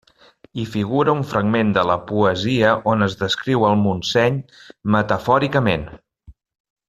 Hi figura un fragment de la poesia on es descriu el Montseny metafòricament.